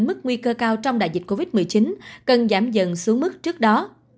mức nguy cơ cao trong đại dịch covid một mươi chín cần giảm dần xuống mức trước đó